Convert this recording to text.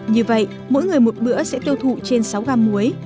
như vậy mỗi người một bữa sẽ tiêu thụ trên sáu gam muối